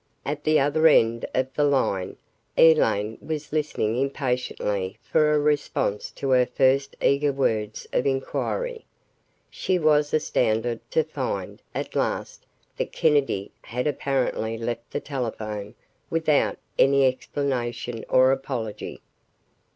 At the other end of the line, Elaine was listening impatiently for a response to her first eager words of inquiry. She was astounded to find, at last, that Kennedy had apparently left the telephone without any explanation or apology.